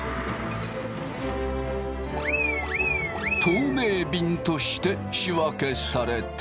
透明びんとして仕分けされた。